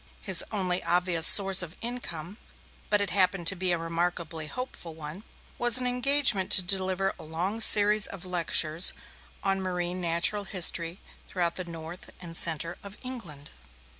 His only obvious source of income but it happened to be a remarkably hopeful one was an engagement to deliver a long series of lectures on marine natural history throughout the north and centre of England.